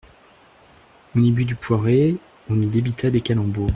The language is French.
On y but du poiré, on y débita des calembours.